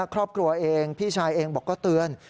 ครอบครัวเองพี่ชายเองบอกก็เตือน